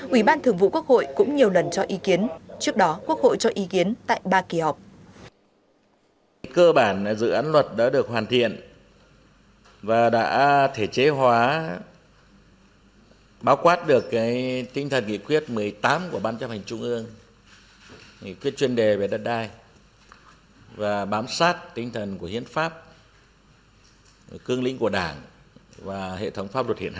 ủy ban thường vụ quốc hội cũng nhiều lần cho ý kiến trước đó quốc hội cho ý kiến tại ba kỳ họp